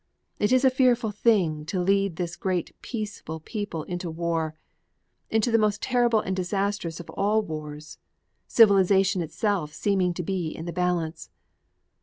It is a fearful thing to lead this great peaceful people into war, into the most terrible and disastrous of all wars, civilization itself seeming to be in the balance.